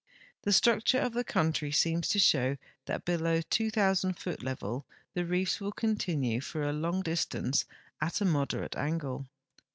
The structure of the country seems to show that below the 2,000 foot level the reefs will continue for a long distance at a moderate angle.